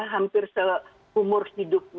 hampir seumur hidupnya